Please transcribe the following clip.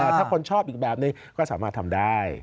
ถ้าคนชอบอีกแบบนึงก็สามารถทำได้